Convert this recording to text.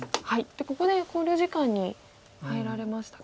ここで考慮時間に入られましたか。